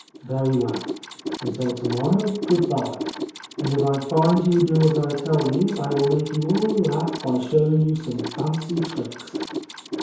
Very well : until to morrow good bye, and if I find you do as I tell you I will make you all laugh by showing you some fancy tricks.'